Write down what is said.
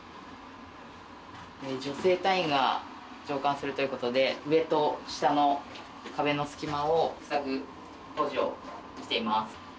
女性隊員が乗艦するということで、上と下の壁の隙間を塞ぐ工事をしています。